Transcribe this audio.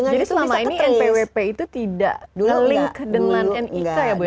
jadi selama ini npwp itu tidak link dengan nik ya bu